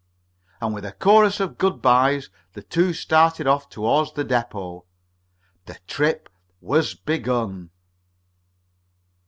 And with a chorus of good bys the two started off toward the depot. The trip was begun.